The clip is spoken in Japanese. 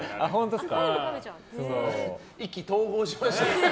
意気投合しましたね